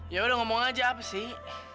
yaudah ngomong aja apa sih